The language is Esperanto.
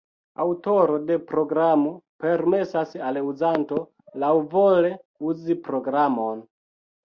Aŭtoro de programo permesas al uzanto laŭvole uzi programon.